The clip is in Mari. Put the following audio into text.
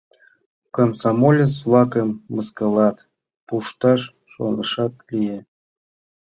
Комсомолец-влакым мыскылат, пушташ шонышат лие.